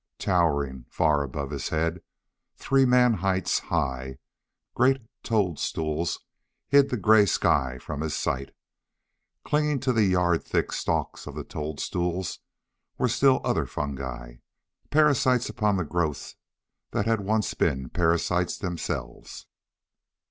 Towering far above his head, three man heights high, great toadstools hid the gray sky from his sight. Clinging to the yard thick stalks of the toadstools were still other fungi, parasites upon the growths that once had been parasites themselves.